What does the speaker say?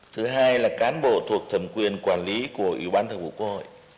thứ hai là cán bộ thuộc thầm quyền quản lý của ubthqh